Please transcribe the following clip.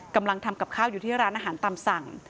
กำลังทำกับข้าวอยู่ที่ร้านอาหารตามสั่ง